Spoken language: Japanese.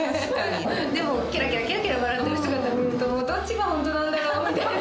でもケラケラケラ笑ってる姿見るとどっちがホントなんだろう？みたいな。